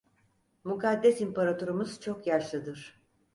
Mukaddes İmparatorumuz çok yaşlıdır.